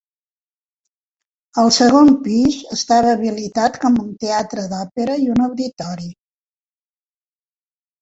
El segon pis estava habilitat com un teatre d'òpera i un auditori.